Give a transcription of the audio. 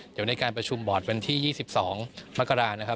อยู่ในการประชุมบอร์ดวันที่๒๒มกราคม